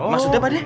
maksudnya pak dia